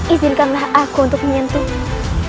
izinkanlah aku untuk menyentuhmu